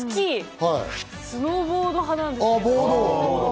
スノーボード派なんですよ。